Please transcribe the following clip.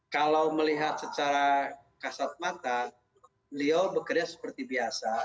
kalau melihat secara kasat mata beliau bekerja seperti biasa